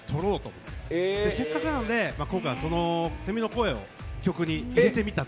せっかくなので今回セミの声を曲に入れてみたという。